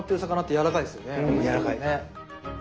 うんやわらかいね。